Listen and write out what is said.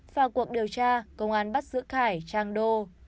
vào cuộc điều tra công an bắt giữ khải trang đô